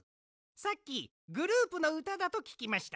さっきグループのうただとききました。